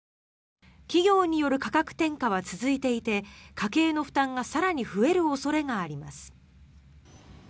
企業による価格転嫁は続いていて家計の負担が更に増える恐れがあります。